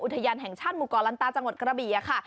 อุทยานแห่งชาติมุกรรณตาจังหวดกระบียะค่ะ